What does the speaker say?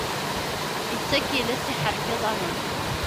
Ittak iles, iḥerref iḍaṛṛen.